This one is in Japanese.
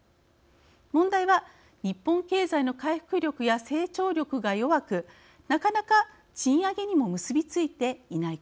問題は日本経済の回復力や成長力が弱くなかなか賃上げにも結び付いていないことです。